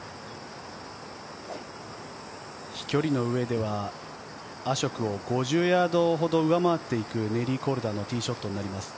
飛距離のうえではアショクを５０ヤードほど上回っているネリー・コルダのティーショットになります。